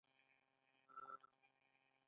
هره لویه لاستهراوړنه له تمرکز پیل شوې.